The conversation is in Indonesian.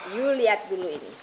you lihat dulu ini